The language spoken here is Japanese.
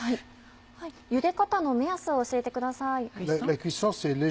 ゆで方の目安を教えてください。